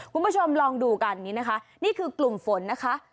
คุณผู้ชมลองดูกันนี้นะคะนี่คือกลุ่มฝนนะคะ